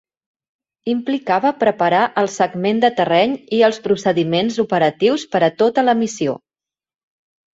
Implicava preparar el segment de terreny i els procediments operatius per a tota la missió.